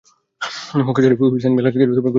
মক্কার Sharif Hussain bin Ali নিজেকে খলিফা ঘোষণা করেন।